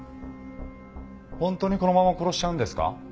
ホントにこのまま殺しちゃうんですか？